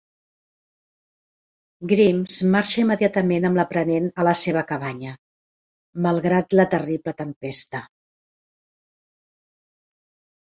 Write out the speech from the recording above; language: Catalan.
Grimes marxa immediatament amb l'aprenent a la seva cabanya, malgrat la terrible tempesta.